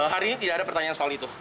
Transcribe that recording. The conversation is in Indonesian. hari ini tidak ada pertanyaan soal itu